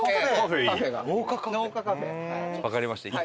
わかりました。